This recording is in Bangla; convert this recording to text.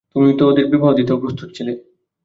তুমি তো ওদের বিবাহ দিতেও প্রস্তুত ছিলে।